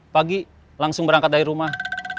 pagi langsung berangkat dari rumah